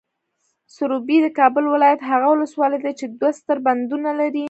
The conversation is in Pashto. سروبي، د کابل ولایت هغه ولسوالۍ ده چې دوه ستر بندونه لري.